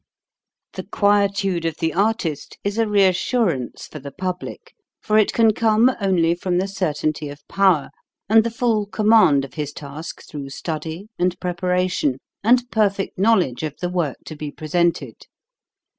The quietude of the artist is a reassurance for the public, for it can come only from the cer tainty of power and the full command of his task through study and preparation and perfect knowledge of the work to be pre sented.